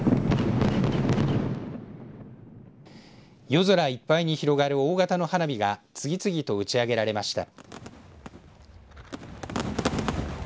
夜空いっぱいに広がる大型の花火が次々と打ち上げられました。